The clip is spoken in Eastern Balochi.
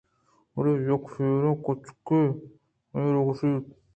بلئے یک پیریں کُچّکےءَاتکءُ آئیءَرا گوٛشت